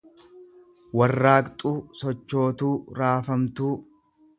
warraaqxuu, sochootuu, raafamtuu.